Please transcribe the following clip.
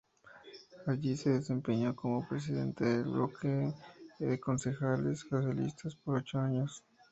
Allí se desempeñó como Presidente del Bloque de Concejales Socialistas por ocho años.